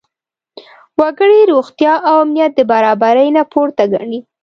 وګړي روغتیا او امنیت د برابرۍ نه پورته ګڼي.